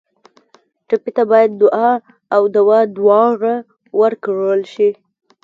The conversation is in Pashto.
ټپي ته باید دعا او دوا دواړه ورکړل شي.